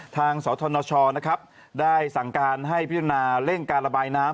ทางสธนชนะครับได้สั่งการให้พิจารณาเร่งการระบายน้ำ